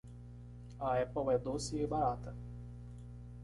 A Apple é doce e barata